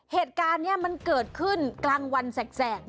เหตุการณ์นี้มันเกิดขึ้นกลางวันแสก